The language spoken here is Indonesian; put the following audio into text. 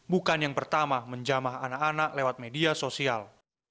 bukan yang pertama menjamah anak anak lewat media sosial